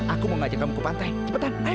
aku mau ngajak kamu ke pantai cepetan